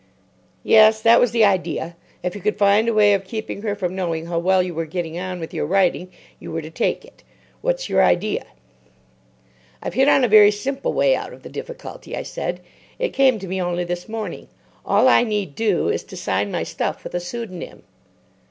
"Yes; that was the idea. If you could find a way of keeping her from knowing how well you were getting on with your writing, you were to take it. What's your idea?" "I've hit on a very simple way out of the difficulty," I said. "It came to me only this morning. All I need do is to sign my stuff with a pseudonym."